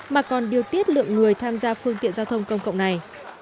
mà còn điều tiết lượng người tham gia phương tiện giao thông công cộng này